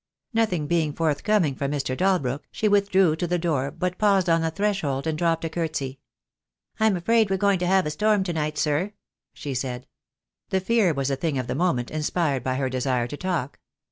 Nothing being forthcoming from Mr. Dalbrook, she withdrew to the door, but paused upon the threshold and dropped a curtsey. "I'm afraid we're going to have a storm to night, sir," she said. The fear was a thing of the moment, inspired by her desire to talk.